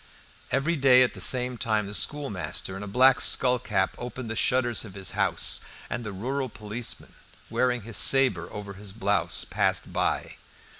Every day at the same time the schoolmaster in a black skullcap opened the shutters of his house, and the rural policeman, wearing his sabre over his blouse, passed by.